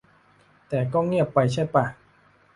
แต่ก็เงียบไปใช่ป่ะ